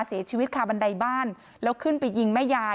เสียชีวิตคาบันไดบ้านแล้วขึ้นไปยิงแม่ยาย